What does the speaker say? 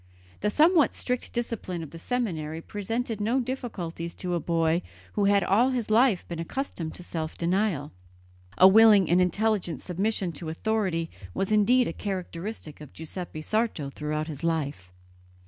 The somewhat strict discipline of the seminary presented no difficulties to a boy who had all his life been accustomed to self denial; a willing and intelligent submission to authority was indeed a characteristic of Giuseppe Sarto throughout his life.